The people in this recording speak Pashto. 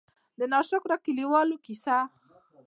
د نا شکره کلي والو قيصه :